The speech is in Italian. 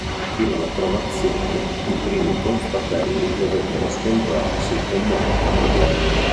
Fino all’approvazione, i primi Confratelli dovettero scontrarsi con molti problemi.